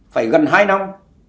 phải gần hai năm